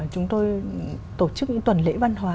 chúng tôi tổ chức những tuần lễ văn hóa